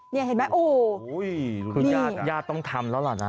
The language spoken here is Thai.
นี่เห็นไหมโอ้โฮนี่คือยาดต้องทำแล้วเหรอนะ